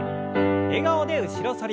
笑顔で後ろ反り。